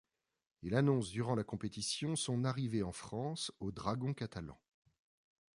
Il annonce durant la compétition son arrivée en France aux Dragons Catalans.